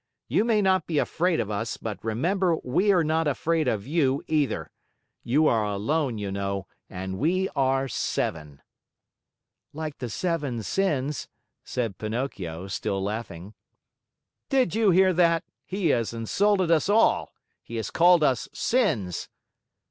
You may not be afraid of us, but remember we are not afraid of you, either! You are alone, you know, and we are seven." "Like the seven sins," said Pinocchio, still laughing. "Did you hear that? He has insulted us all. He has called us sins."